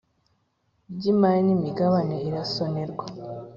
Ry imari n imigabane irasonerwa